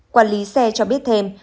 quản lý xe cho biết thêm